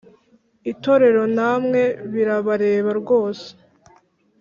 itorero namwe birabareba rwose